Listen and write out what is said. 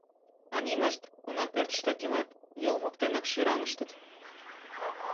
А нинышт, уна, пӧртыштак илат, йол воктенак шӱраҥыштыт.